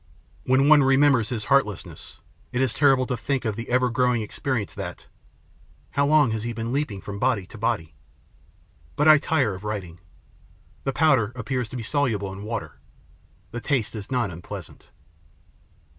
When one remembers his heartlessness, it is terrible to think of the ever growing experience, that ... How long has he been leaping from body to body ?... But I tire of writing. The powder appears to be soluble in water. The taste is not unpleasant.